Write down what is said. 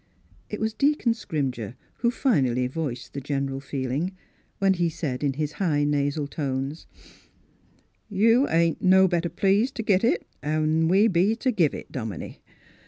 It was Deacon Scrimger who finally voiced the general feeling, when he said itt his high nasal tones : Miss Philura's Wedding Gown " You ain't no better pleased t' git it an' we be t' give it, dominie.